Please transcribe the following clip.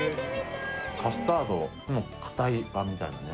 カスタードの硬い版みたいなね